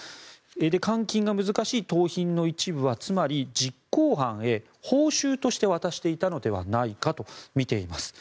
換金が難しい盗品の一部はつまり実行犯へ報酬として渡していたのではないかとみています。